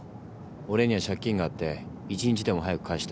俺には借金があって１日でも早く返したい。